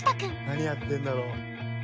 何やってるんだろう？